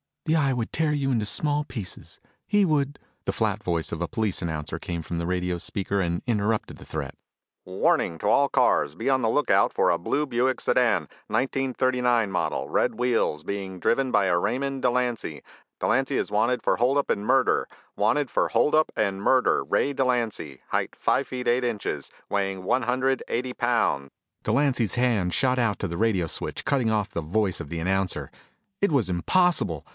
"The Eye would tear you into small pieces. He would " The flat voice of a police announcer came from the radio speaker and interrupted the threat: "Warning to all cars. Be on the lookout for blue Buick sedan, nineteen thirty nine model, red wheels, being driven by Raymond Delancy. Delancy is wanted for hold up and murder. Wanted for hold up and murder, Ray Delancy, height five feet eight inches, weighing one hundred eighty pounds " Delancy's hand shot out to the radio switch, cutting off the voice of the announcer. It was impossible!